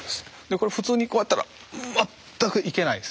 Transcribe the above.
これ普通にこうやったら全くいけないです。